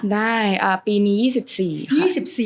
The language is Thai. ได้ปีนี้๒๔ค่ะ